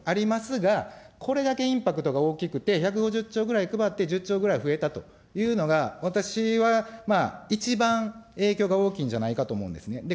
ありますが、これだけインパクトが大きくて、１５０兆ぐらい配って１０兆ぐらい増えたというのが、私はまあ、一番影響が大きいんじゃないかと思うんですね。